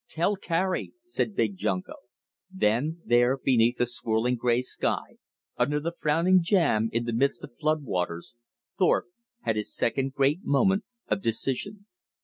"Tell Carrie," said Big Junko. Then there beneath the swirling gray sky, under the frowning jam, in the midst of flood waters, Thorpe had his second great Moment of Decision.